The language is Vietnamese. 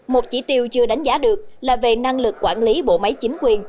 một chỉ tiêu chưa đánh giá được là về năng lực quản lý bộ máy chính quyền